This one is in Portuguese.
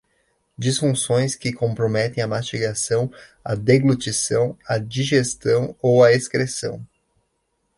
Disfunções que comprometem a mastigação, a deglutição, a digestão ou a excreção.